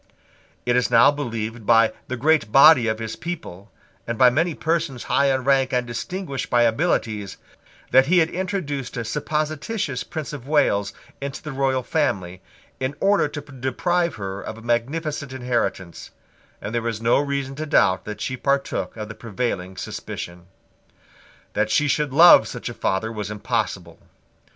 It was now believed by the great body of his people, and by many persons high in rank and distinguished by abilities, that he had introduced a supposititious Prince of Wales into the royal family, in order to deprive her of a magnificent inheritance; and there is no reason to doubt that she partook of the prevailing suspicion. That she should love such a father was impossible.